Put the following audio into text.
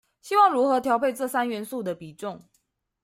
希望如何調配這三元素的比重